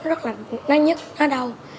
rất là nó nhức nó đau